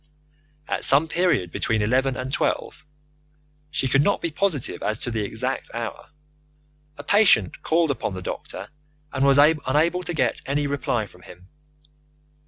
At some period between eleven and twelve (she could not be positive as to the exact hour) a patient called upon the doctor and was unable to get any reply from him.